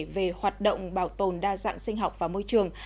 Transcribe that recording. về hoạt động bảo tồn đa dạng sinh học và môi trường